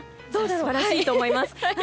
素晴らしいと思います。